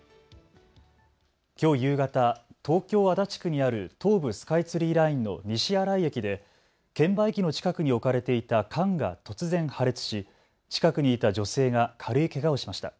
きょう夕方、東京足立区にある東武スカイツリーラインの西新井駅で券売機の近くに置かれていた缶が突然、破裂し近くにいた女性が軽いけがをしました。